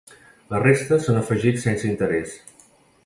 La resta, són afegits sense interès.